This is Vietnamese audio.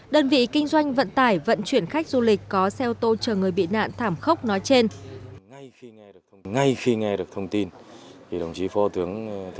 đơn vị kinh doanh vận tải vận chuyển khách du lịch có xe ô tô chờ người bị nạn thảm khốc nói trên